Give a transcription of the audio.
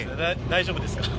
大丈夫ですよね